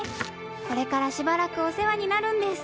これからしばらくおせわになるんです。